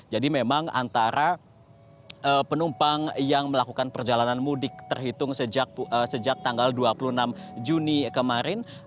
jadi memang antara penumpang yang melakukan perjalanan mudik terhitung sejak tanggal dua puluh enam juni kemarin